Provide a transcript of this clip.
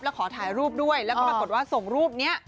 แล้วขอถ่ายรูปด้วยแล้วก็ปรากฏว่าส่งรูปนี้